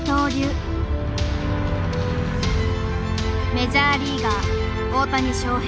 メジャーリーガー大谷翔平。